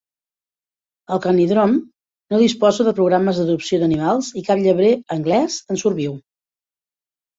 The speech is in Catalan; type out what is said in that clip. El Canidrome no disposa de programes d'adopció d'animals i cap llebrer anglès en surt viu.